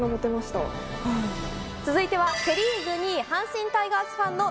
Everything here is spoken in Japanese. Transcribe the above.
続いてはセ・リーグ２位阪神タイガースファンの。